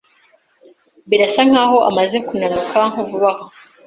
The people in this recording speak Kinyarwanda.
Birasa nkaho amaze kunanuka vuba aha.